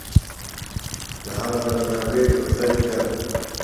د هغه درناوی پرځای کړ.